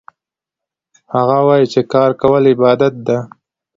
هغه وایي چې کار کول عبادت ده